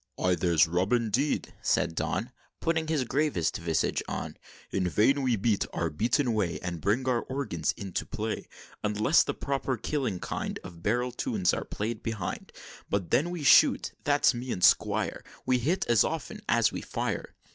"Ay, there's the rub, indeed,'" said Don, Putting his gravest visage on; "In vain we beat our beaten way, And bring our organs into play, Unless the proper killing kind Of barrel tunes are play'd behind: But when we shoot, that's me and Squire We hit as often as we fire."